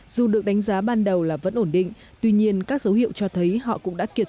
dù được đánh giá ban đầu là vẫn ổn định tuy nhiên các dấu hiệu cho thấy họ cũng đã kiệt